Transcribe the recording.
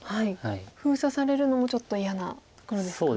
封鎖されるのもちょっと嫌なところですか？